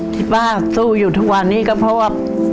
ที่ป้าสู้อยู่ทุกวันนี้ก็เพราะว่า